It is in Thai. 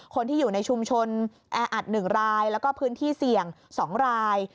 คนที่อยู่ในชุมชนแออัด๑รายแล้วก็พื้นที่เสี่ยง๒ราย